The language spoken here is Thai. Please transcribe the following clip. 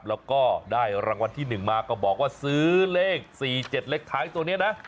แล้วก็ได้รางวัลที่๑มาก็บอกว่าซื้อเลข๔๗เลขท้ายตัวนี้นะ